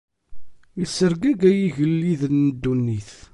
Issergagay igelliden n ddunit.